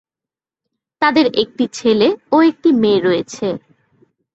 তাদের একটি ছেলে এবং একটি মেয়ে রয়েছে।